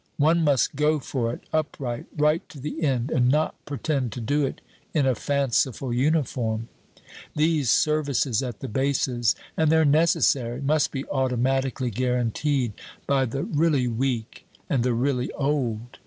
One must go for it, upright, right to the end, and not pretend to do it in a fanciful uniform. These services at the bases, and they're necessary, must be automatically guaranteed by the really weak and the really old."